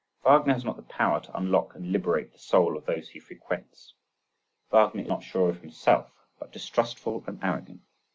Wagner has not the power to unlock and liberate the soul of those he frequents. Wagner is not sure of himself, but distrustful and arrogant.